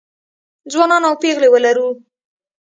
ځوانان او پېغلې ولرو